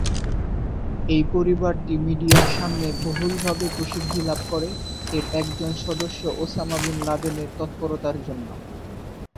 এই পরিবারটি মিডিয়ার সামনে বহুলভাবে প্রসিদ্ধি লাভ করে এর একজন সদস্য ওসামা বিন লাদেনের তৎপরতার জন্য।